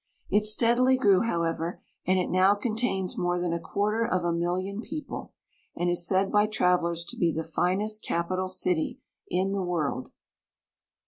It steadily grew, however, and it now contains more than a quarter of a million of people, and is said by travelers to be the finest capital city in the world.